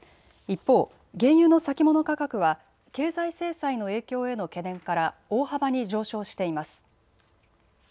一方、原油の先物価格は経済制裁の影響への懸念から大幅に上昇しています。